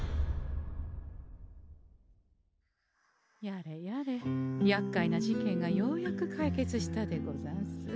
やれやれやっかいな事件がようやく解決したでござんす。